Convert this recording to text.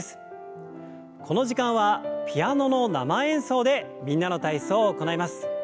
この時間はピアノの生演奏で「みんなの体操」を行います。